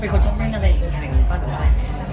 เป็นคนชอบเล่นอะไรอีกอย่างยังวาหรือบ้าง